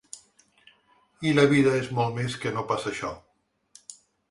I la vida és molt més que no pas això.